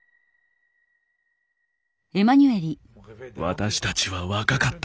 私たちは若かった。